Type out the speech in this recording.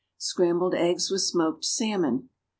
=Scrambled Eggs with Smoked Salmon.